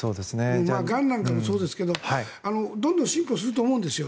がんなんかもそうですけどどんどん進歩すると思うんですよ。